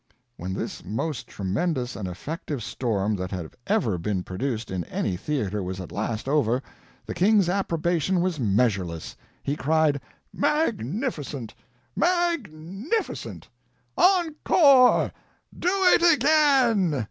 When this most tremendous and effective storm that had ever been produced in any theater was at last over, the King's approbation was measureless. He cried: "Magnificent, magnificent! ENCORE! Do it again!"